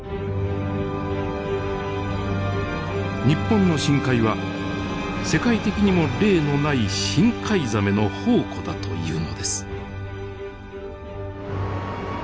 日本の深海は世界的にも例のない深海ザメの宝庫だというのです。